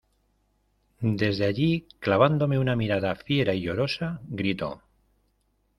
desde allí, clavándome una mirada fiera y llorosa , gritó: